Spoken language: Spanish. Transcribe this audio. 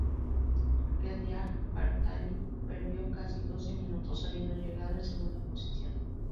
Aquel día, Bartali perdió casi doce minutos habiendo llegado en segunda posición.